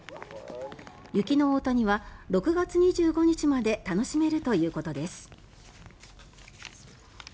雪の大谷は、６月２５日まで楽しめるということです。